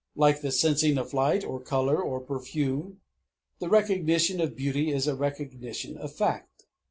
Like the sensing of light or color or perfume, the recognition of beauty is a recognition of fact.